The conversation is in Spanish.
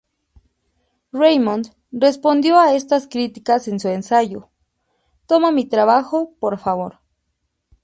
Raymond respondió a estas críticas en su ensayo "¡Toma mi trabajo, por favor!